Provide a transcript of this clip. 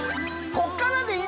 ここからで。